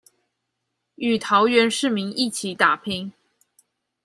與桃園市民一起打拼